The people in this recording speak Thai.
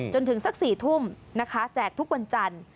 จนถึงสัก๔ทุ่มนะคะแจกทุกวันจันทร์